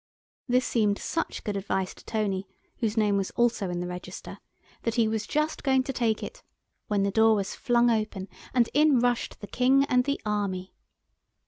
This seemed such good advice to Tony, whose name was also in the register, that he was just going to take it when the door was flung open, and in rushed the King and the Army.